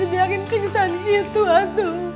biarin pingsan gitu hatu